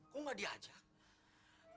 kok gak diajak